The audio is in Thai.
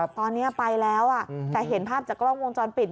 ตอนนี้ไปแล้วแต่เห็นภาพจากกล้องวงจรปิด